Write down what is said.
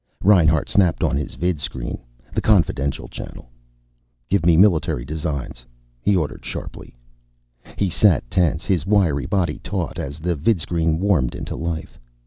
Reinhart snapped on his vidscreen, the confidential channel. "Give me Military Designs," he ordered sharply. He sat tense, his wiry body taut, as the vidscreen warmed into life.